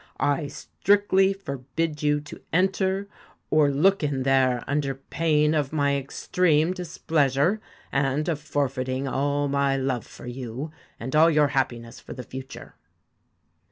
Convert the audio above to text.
I strictly forbid you to enter or look in L 161 BLUE there under pain of my extreme displeasure, and BEARD of forfeiting all my love for you, and all your happiness for the future.